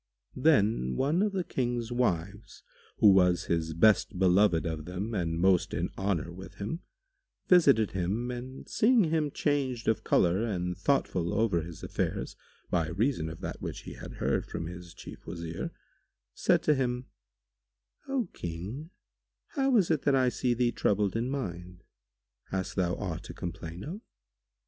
[FN#148] Then one of the King's wives, who was his best beloved of them and most in honour with him, visited him and seeing him changed of colour and thoughtful over his affairs, by reason of that which he had heard from his Chief Wazir, said to him, "O King, how is it that I see thee troubled in mind? Hast thou aught to complain of?"